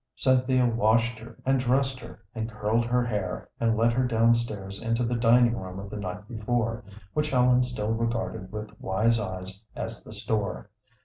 Cynthia washed her and dressed her, and curled her hair, and led her down stairs into the dining room of the night before, which Ellen still regarded with wise eyes as the store.